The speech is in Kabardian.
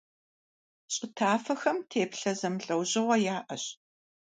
ЩӀы тафэхэм теплъэ зэмылӀэужьыгъуэ яӀэщ.